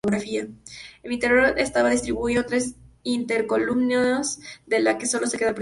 El interior estaba distribuido en tres intercolumnios de la que solo queda el primero.